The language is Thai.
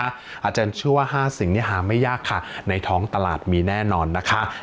อาจารย์เชื่อว่า๕สิ่งนี้หาไม่ยากค่ะในท้องตลาดมีแน่นอนนะคะ